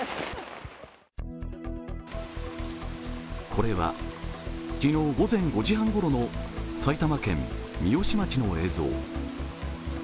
これは昨日午前５時半ごろの埼玉県三芳町の映像。